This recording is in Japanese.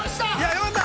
◆よかった！